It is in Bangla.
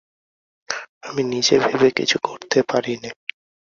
আমি নিজে ভেবে কিছু করতে পারি নে।